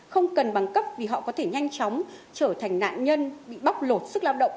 không cần bằng cấp vì họ có thể nhanh chóng trở thành nạn nhân bị bóc lột sức lao động